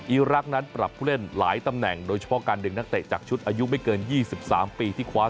อิลรักษณ์ระบบผู้เล่นหลายตำแหน่งโดยเฉพาะการเดินนักเตะจากชุดอายุไม่เกิน๒๓ปี